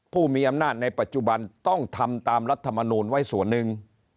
ผู้มีอำนาจในปัจจุบันต้องทำตามรัฐมนูลไว้ส่วนหนึ่ง